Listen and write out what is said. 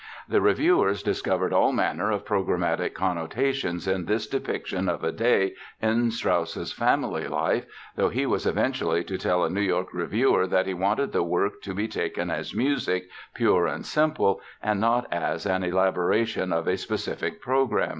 The reviewers discovered all manner of programmatic connotations in this depiction of a day in Strauss's family life though he was eventually to tell a New York reviewer that he "wanted the work to be taken as music" pure and simple and not as an elaboration of a specific program.